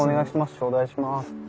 頂戴します。